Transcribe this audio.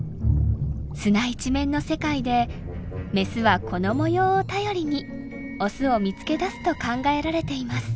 砂一面の世界でメスはこの模様を頼りにオスを見つけ出すと考えられています。